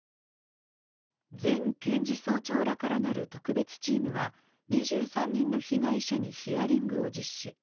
前検事総長から成る特別チームは２３人の被害者にヒアリングを実施。